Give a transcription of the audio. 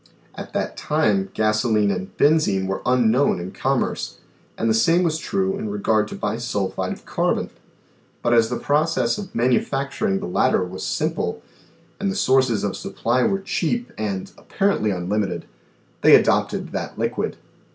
At that time gasolene and benzine were unknown in commerce, and the same was true in regard to bisulphide of carbon, but as the process of manufacturing the latter was simple and the sources of supply were cheap and apparently unlimited, they adopted that liquid.